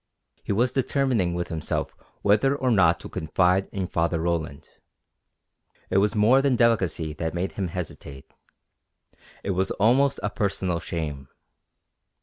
He was determining with himself whether or not to confide in Father Roland. It was more than delicacy that made him hesitate; it was almost a personal shame.